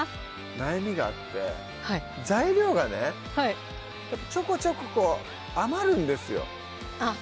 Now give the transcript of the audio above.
悩みがあって材料がねちょこちょこあまるんですよあっ